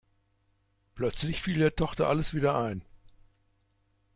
Plötzlich fiel der Tochter alles wieder ein.